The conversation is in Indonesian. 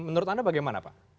menurut anda bagaimana pak